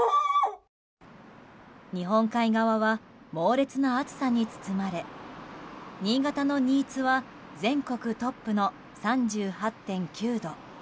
日本海側は、猛烈な暑さに包まれ新潟の新津は全国トップの３８．９度。